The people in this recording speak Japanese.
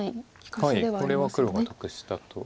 これは黒が得したと。